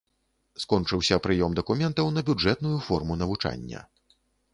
Скончыўся прыём дакументаў на бюджэтную форму навучання.